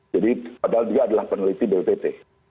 jadi padahal dia adalah peneliti dltt